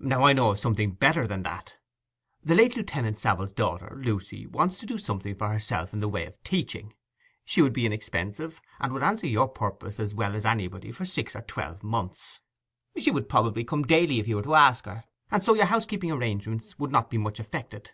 'Now, I know of something better than that. The late Lieutenant Savile's daughter, Lucy, wants to do something for herself in the way of teaching. She would be inexpensive, and would answer your purpose as well as anybody for six or twelve months. She would probably come daily if you were to ask her, and so your housekeeping arrangements would not be much affected.